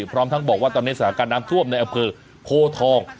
พร้อมทั้งบอกว่าตอนนี้สถานการณ์น้ำท่วมในอำเภอโพทอง